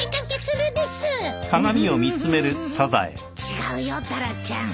違うよタラちゃん。